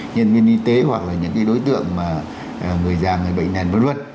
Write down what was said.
nhân viên y tế hoặc là những cái đối tượng mà người già người bệnh nhân vật luật